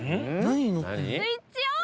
スイッチオン！